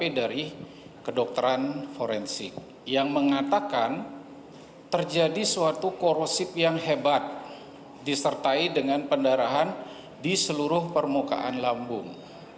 kami dari kedokteran forensik yang mengatakan terjadi suatu korosip yang hebat disertai dengan pendarahan di seluruh permukaan lambung